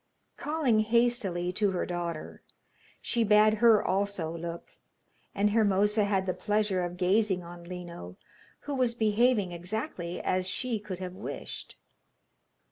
Calling hastily to her daughter, she bade her also look, and Hermosa had the pleasure of gazing on Lino, who was behaving exactly as she could have wished.